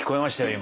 今。